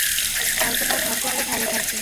কাল তোমার ভাগ্য আরও ভালো থাকবে।